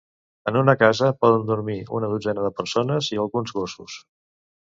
En una casa, poden dormir una dotzena de persones i alguns gossos.